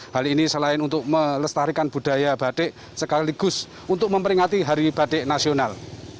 hal ini selain untuk melestarikan budaya batik sekaligus untuk memperingati hari batik nasional